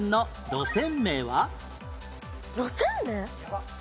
路線名？